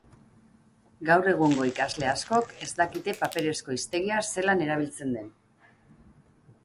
Gaur egungo ikasle askok ez dakite paperezko hiztegia zelan erabiltzen den.